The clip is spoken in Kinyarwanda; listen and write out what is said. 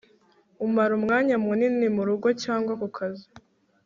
umara umwanya munini murugo cyangwa kukazi